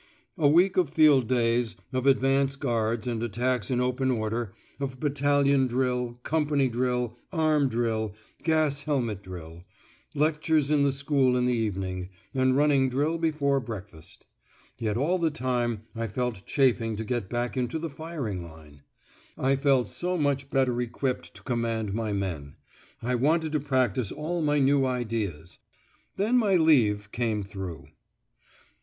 A week of field days, of advance guards and attacks in open order, of battalion drill, company drill, arm drill, gas helmet drill; lectures in the school in the evening, and running drill before breakfast. Yet all the time I felt chafing to get back into the firing line. I felt so much better equipped to command my men. I wanted to practise all my new ideas. Then my leave came through.